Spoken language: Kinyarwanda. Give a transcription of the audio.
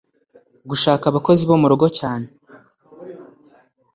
gushaka abakozi bo murugo cyane